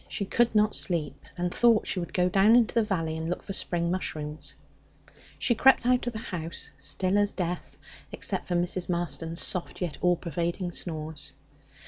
She could not sleep, and thought she would go down into the valley and look for spring mushrooms. She crept out of the house, still as death, except for Mrs. Marston's soft yet all pervading snores.